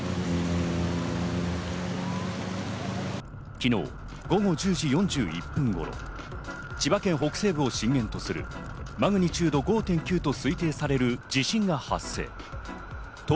昨日、午後１０時４１分頃、千葉県北西部を震源とするマグニチュード５．９と推定される地震が発生。